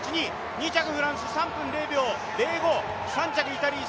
２着フランス３分０秒０５、３着イタリア、